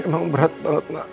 emang berat banget nak